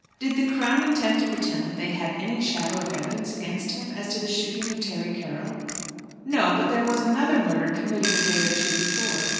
"Did the Crown intend to pretend that they had any shadow of evidence against him as to the shooting of Terry Carroll?" "No; but there was another murder committed a day or two before.